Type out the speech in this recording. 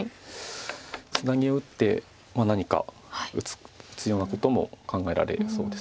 ツナギを打って何か打つようなことも考えられそうです。